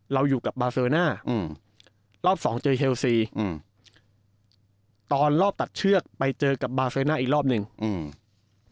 เราอยู่กับบาเซอร์น่าอืมรอบสองเจอเชลซีอืมตอนรอบตัดเชือกไปเจอกับบาเซอร์น่าอีกรอบหนึ่งอืม